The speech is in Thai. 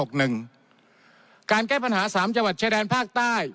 การแก้ปัญหา๓จังหวัดชายแดนภาคใต้